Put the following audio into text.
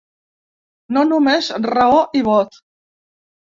No només raó i vot.